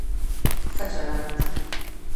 ښه چلند